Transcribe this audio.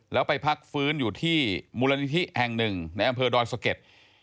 แล้วไปพักฟื้นอยู่ที่มูลนิธิแห่งหนึ่งในอำเภอดอยสะเก็ด